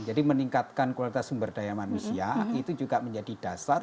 jadi meningkatkan kualitas sumber daya manusia itu juga menjadi dasar